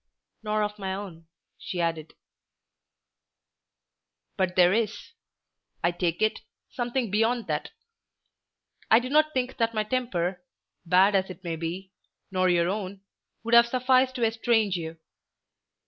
"Nor of my own," she added. "But there is, I take it, something beyond that. I do not think that my temper, bad as it may be, nor your own, would have sufficed to estrange you.